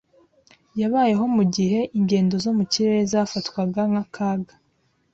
Yabayeho mu gihe ingendo zo mu kirere zafatwaga nk’akaga.